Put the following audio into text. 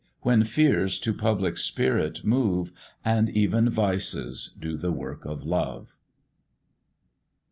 when fears to public spirit move, And even vices do the work of love.